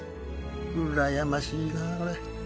うらやましいなこれ。